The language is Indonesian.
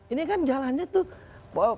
ini kan jalannya tuh